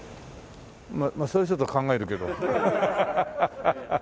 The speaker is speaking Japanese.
ままあそれはちょっと考えるけど。